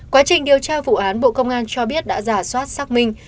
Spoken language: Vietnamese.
quá trình điều tra vụ án bộ công an cho biết đã giả soát xác minh